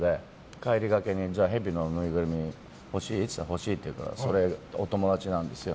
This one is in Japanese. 帰りがけにじゃあ、ヘビのぬいぐるみ欲しい？って言ったら欲しいって言うからそれがお友達なんですよ。